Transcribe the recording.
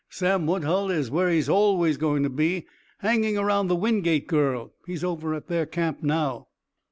"Sam Woodhull is where he's always going to be hanging around the Wingate girl. He's over at their camp now."